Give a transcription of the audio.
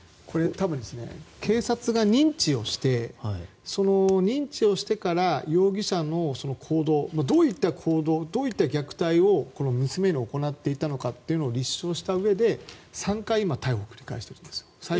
多分、警察が認知をしてその認知をしてから容疑者の行動どういった行動、どういった虐待を娘に行っていたのかを立証したうえで３回逮捕を繰り返していると。